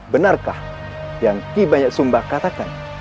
benarkah yang ki banyak sumba katakan